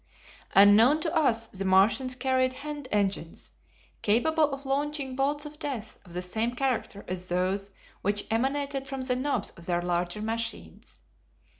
Unknown to us the Martians carried hand engines, capable of launching bolts of death of the same character as those which emanated from the knobs of their larger machines.